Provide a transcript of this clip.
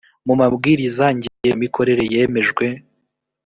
mu mabwiriza ngenga mikorere yemejwe